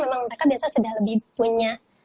memang mereka biasanya sudah lebih punya